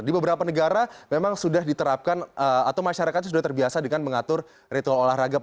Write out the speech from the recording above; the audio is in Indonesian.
di beberapa negara memang sudah diterapkan atau masyarakat sudah terbiasa dengan mengatur ritual olahraga paling tidak tiga puluh menit dalam sehari begitu ya